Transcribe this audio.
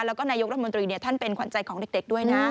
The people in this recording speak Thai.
แล้วก็นายกรัฐมนตรีท่านเป็นขวัญใจของเด็กด้วยนะ